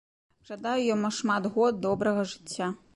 Жадаю яму шмат год добрага жыцця!